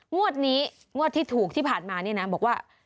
งวดนี้งวดที่ถูกที่ผ่านมาเนี่ยนะบอกว่า